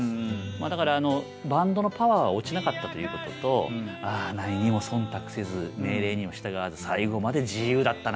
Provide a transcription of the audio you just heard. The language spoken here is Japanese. だからバンドのパワーは落ちなかったということと何にも忖度せず命令にも従わず最後まで自由だったなっていう。